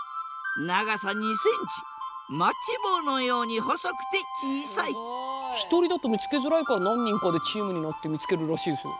長さ２センチマッチ棒のように細くて小さい一人だと見つけづらいから何人かでチームになって見つけるらしいですよ。